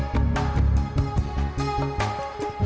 dip operasi apa tadi